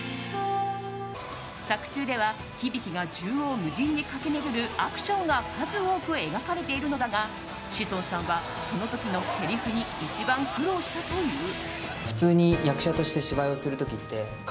作中ではヒビキが縦横無尽に駆け巡るアクションが数多く描かれているのだが志尊さんはその時のせりふに一番苦労したという。